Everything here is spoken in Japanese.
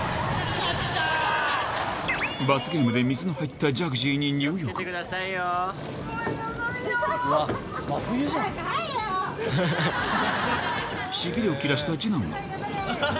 罰ゲームで水の入ったジャグジーに入浴しびれを切らした次男がハハハハ！